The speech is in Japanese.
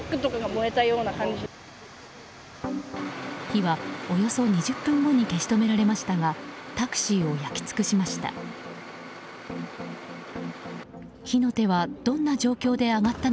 火はおよそ２０分後に消し止められましたがタクシーを焼き尽くしました。